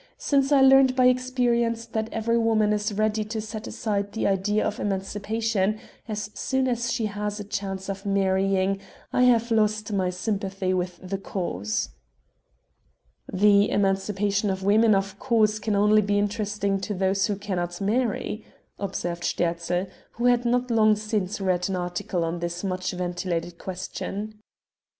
Since I learnt by experience that every woman is ready to set aside the idea of emancipation as soon as she has a chance of marrying I have lost my sympathy with the cause." "The emancipation of women of course can only be interesting to those who cannot marry," observed Sterzl, who had not long since read an article on this much ventilated question.